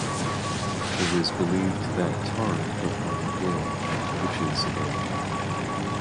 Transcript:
It was believed that tar put on a door kept witches away.